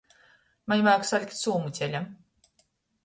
Maņ vajag salikt sūmu ceļam.